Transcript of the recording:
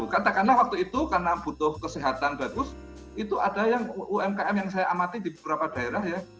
katakanlah waktu itu karena butuh kesehatan bagus itu ada yang umkm yang saya amati di beberapa daerah ya